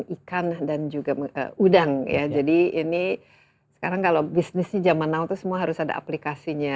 ikan dan juga udang ya jadi ini sekarang kalau bisnisnya zaman now itu semua harus ada aplikasinya